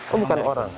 oh bukan orang